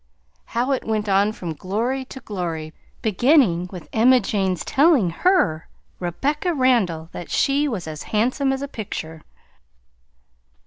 How it went on from glory to glory, beginning with Emma Jane's telling her, Rebecca Randall, that she was as "handsome as a picture."